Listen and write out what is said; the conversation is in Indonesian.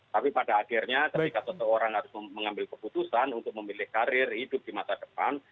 tapi pada akhirnya ketika seseorang harus mengambil keputusan untuk memilih karir hidup di masa depan